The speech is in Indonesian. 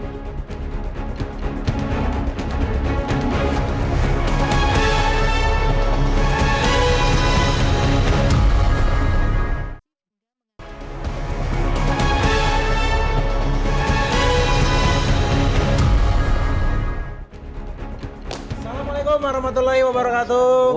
assalamualaikum warahmatullahi wabarakatuh